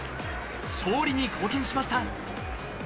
勝利に貢献しました。